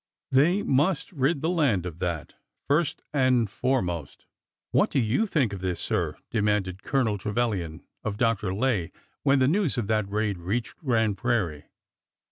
They must rid the land of that, first and foremost. What do you think of this, sir ?" demanded Colonel Trevilian of Dr. Lay when the news of that raid reached Grand Prairie.